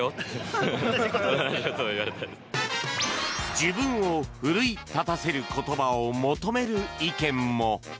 自分を奮い立たせる言葉を求める意見も。